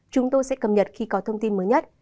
chúng tôi sẽ cập nhật khi có thông tin mới nhất